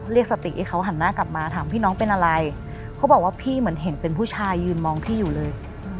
เรียกสติให้เขาหันหน้ากลับมาถามพี่น้องเป็นอะไรเขาบอกว่าพี่เหมือนเห็นเป็นผู้ชายยืนมองพี่อยู่เลย